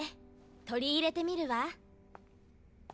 取り入れてみるわ。